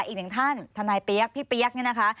อีกหนึ่งท่านทนายเปี๊ยกพี่เปี๊ยกเนี่ยนะคะ